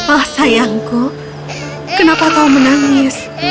ah sayangku kenapa kau menangis